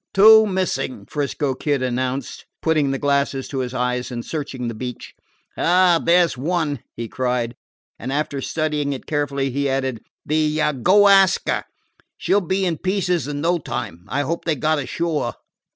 "Two missing," 'Frisco Kid announced, putting the glasses to his eyes and searching the beach. "And there 's one!" he cried. And after studying it carefully he added: "The Go Ask Her. She 'll be in pieces in no time. I hope they got ashore."